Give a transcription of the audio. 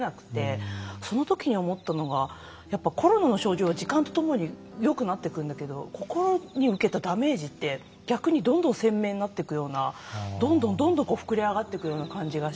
その時に思ったのがコロナの症状は時間とともによくなっていくんだけど心に受けたダメージって逆にどんどん鮮明になっていくようなどんどんどんどん膨れ上がっていくような感じがして。